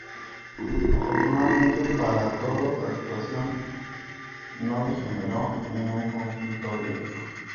Afortunadamente para todos, la situación no degeneró en un conflicto abierto.